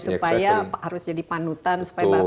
supaya harus jadi pandutan